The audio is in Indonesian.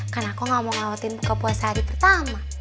kan aku gak mau ngelawatin buka puasa hari pertama